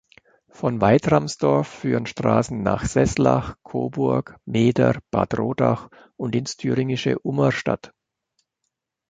Von Weitramsdorf führen Straßen nach Seßlach, Coburg, Meeder, Bad Rodach und ins thüringische Ummerstadt.